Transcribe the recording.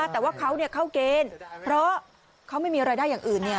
แต่ว่าเขาเนี่ยเข้าเกณฑ์เพราะเขาไม่มีอะไรได้อย่างอื่นเนี่ย